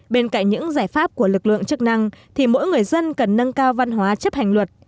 bên cạnh những giải pháp của lực lượng chức năng thì mỗi người dân cần nâng cao văn hóa chấp hành luật